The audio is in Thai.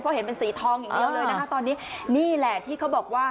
เพราะเห็นเป็นสีทองอย่างเดียวเลยนะคะตอนนี้นี่แหละที่เขาบอกว่า